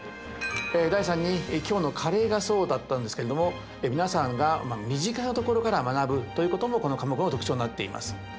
第３に今日のカレーがそうだったんですけれども皆さんが身近なところから学ぶということもこの科目の特徴になっています。